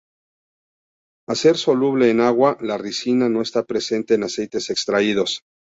Al ser soluble en agua, la ricina no está presente en aceites extraídos.